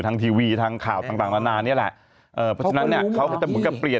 ทางทีวีทางข่าวต่างนานนี่แหละเพราะฉะนั้นเนี่ย